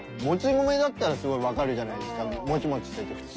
もち米だったらすごいわかるじゃないですかモチモチしてて。